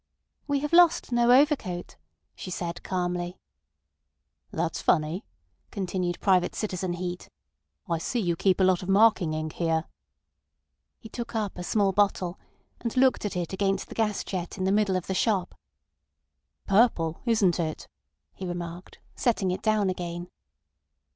"We have lost no overcoat," she said calmly. "That's funny," continued Private Citizen Heat. "I see you keep a lot of marking ink here—" He took up a small bottle, and looked at it against the gas jet in the middle of the shop. "Purple—isn't it?" he remarked, setting it down again.